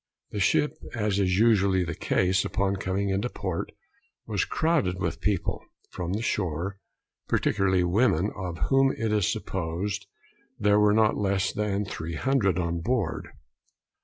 The ship, as is usually the case upon coming into port, was crowded with people from the shore, particularly women, of whom it is supposed there were not less than three hundred on board.